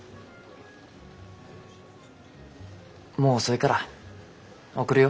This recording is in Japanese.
もう遅いから送るよ。